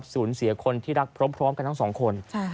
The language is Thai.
สูญเสียคนที่รักพร้อมกันทั้งสองคน